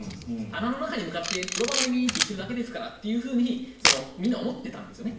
穴の中に向かってロバの耳って言ってるだけですからってみんな思っていたんですね。